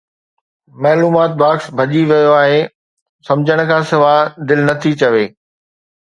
معلومات باڪس ڀڄي ويو آهي! سمجھڻ کان سواءِ دل نٿي چوي